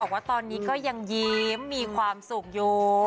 บอกว่าตอนนี้ก็ยังยิ้มมีความสุขอยู่